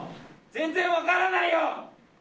全然分からないよ！